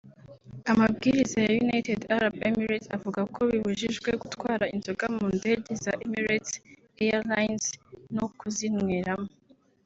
Amabwiriza ya United Arab Emirates avuga ko bibujijwe gutwara inzoga mu ndege za Emirates Ailines no kuzinyweramo